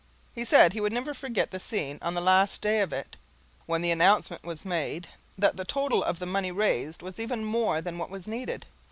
He said he would never forget the scene on the last day of it, when the announcement was made that the total of the money raised was even more than what was needed.